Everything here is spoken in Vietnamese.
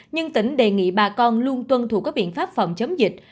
nhưng tỉnh đề nghị bà con luôn tuân thuộc các biện pháp phòng chấm dịch